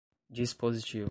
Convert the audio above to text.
dispositivo